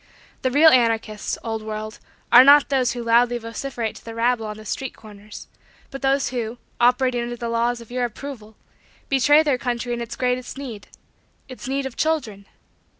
The real anarchists, old world, are not those who loudly vociferate to the rabble on the street corners but those who, operating under the laws of your approval, betray their country in its greatest need its need of children.